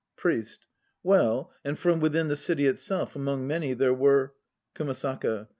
PRIEST. Well, and from within the City itself among many there were KUMASAKA.